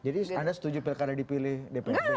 jadi anda setuju pkk dipilih dprd gitu ya